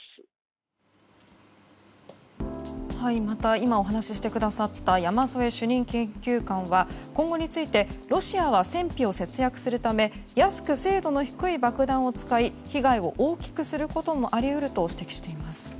また今お話ししてくださった山添主任研究官は今後についてロシアは戦費を節約するため安く精度の低い爆弾を使い被害を大きくすることもあり得ると指摘しています。